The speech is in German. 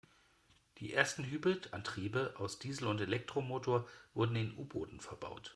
Die ersten Hybridantriebe aus Diesel- und Elektromotor wurden in U-Booten verbaut.